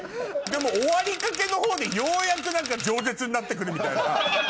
終わりかけのほうでようやく冗舌になって来るみたいな。